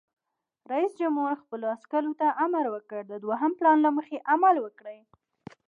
رئیس جمهور خپلو عسکرو ته امر وکړ؛ د دوهم پلان له مخې عمل وکړئ!